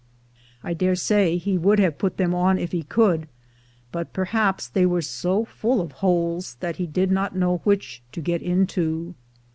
I daresay he would have put them on if he could, but perhaps they were so full of holes that he did not know which to get into.